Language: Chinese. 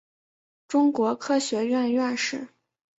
中国科学院院士。